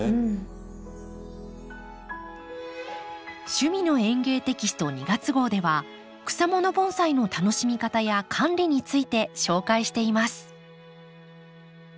「趣味の園芸」テキスト２月号では草もの盆栽の楽しみ方や管理について紹介しています。